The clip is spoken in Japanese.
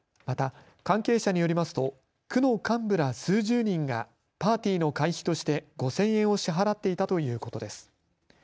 また、関係者によりますと区の幹部ら数十人がパーティーの会費として５０００円を支払っていたということです。